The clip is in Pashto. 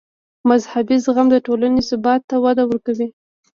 مذهبي زغم د ټولنې ثبات ته وده ورکوي.